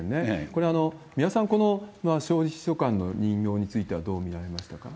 これ、三輪さん、この総理秘書官の任用についてはどう見られましたか？